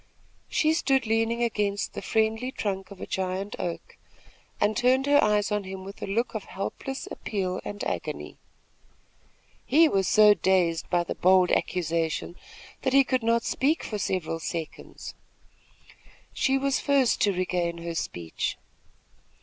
She stood leaning against the friendly trunk of a giant oak, and turned her eyes on him with a look of helpless appeal and agony. He was so dazed by the bold accusation, that he could not speak for several seconds. She was first to regain her speech.